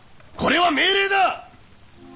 これは命令だ！